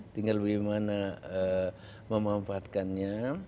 tinggal gimana memanfaatkannya